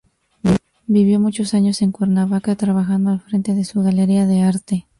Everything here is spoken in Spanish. Vivió muchos años en Cuernavaca, trabajando al frente de su Galería de arte.